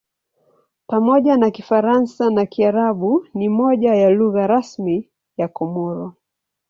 Pamoja na Kifaransa na Kiarabu ni moja ya lugha rasmi ya Komori.